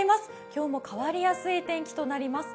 今日も変わりやすい天気となります。